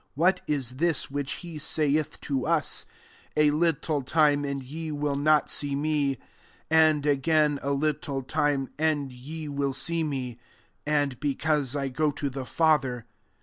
<^ What is this which he saithi to us, <A little time, and ye will not see me : and again, a little time, and ye will see me :' and,. ' Because 1 go to the Fa ther?'"